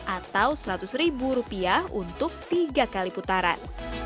atau rp seratus untuk tiga kali putaran